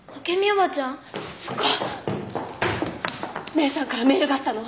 姉さんからメールがあったの！